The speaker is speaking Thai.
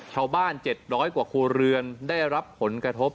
๗๐๐กว่าครัวเรือนได้รับผลกระทบ